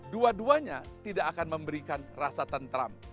dua duanya tidak akan memberikan rasa tentram